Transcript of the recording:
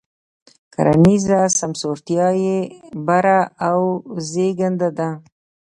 کرنیزه سمسورتیا یې بره او زېږنده ده.